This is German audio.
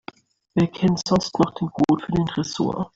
Wer kennt sonst noch den Code für den Tresor?